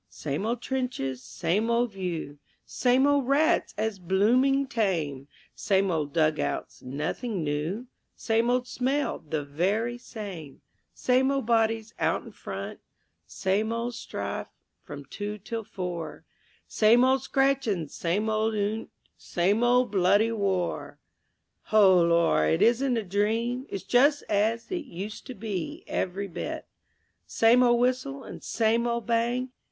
Same old trenches, same old view, Same old rats as blooming tame, Same old dug outs, nothing new, Same old smell, the very same, Same old bodies out in front, Same old strafe from 2 till 4, Same old scratching, same old 'unt. Same old bloody War. _Ho Lor, it isn't a dream, It's just as it used to be, every bit; Same old whistle and same old bang.